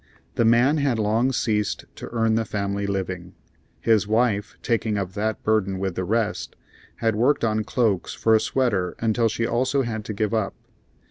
The man had long ceased to earn the family living. His wife, taking up that burden with the rest, had worked on cloaks for a sweater until she also had to give up.